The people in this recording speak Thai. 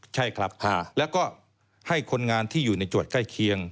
ใช่ครับแล้วก็ให้คนงานที่อยู่ในจวดใกล้เคียง